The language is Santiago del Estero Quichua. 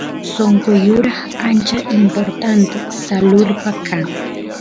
sonqo yuraq ancha importanta salurpa kan